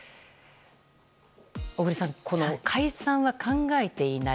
小栗さん、解散は考えていない。